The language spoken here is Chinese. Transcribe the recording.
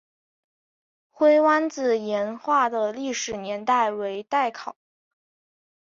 灰湾子岩画的历史年代为待考。